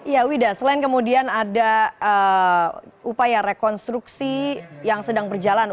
ya wida selain kemudian ada upaya rekonstruksi yang sedang berjalan